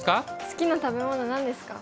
好きな食べ物何ですか？